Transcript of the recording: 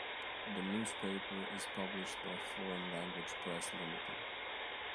The newspaper is published by Foreign Language Press Ltd.